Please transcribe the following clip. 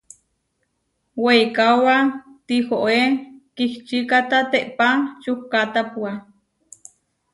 Weikaóba tihoé kihčikáta teʼpa čukkátapua.